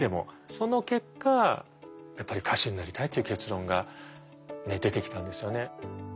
その結果やっぱり歌手になりたいっていう結論が出てきたんですよね。